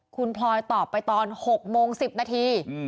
คุณพลอยตอบไปตอน๖โมง๑๐นาที